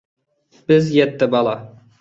بىز يەتتە بالا